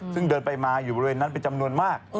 ซึ่งเดินไปมาอยู่บริเวณนั้นเป็นจำนวนมาก